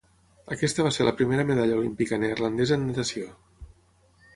Aquesta va ser la primera medalla olímpica neerlandesa en natació.